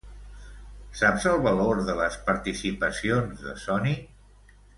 Saps el valor de les participacions de Sony?